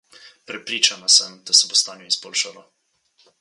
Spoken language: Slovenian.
Prepričana sem, da se bo stanje izboljšalo.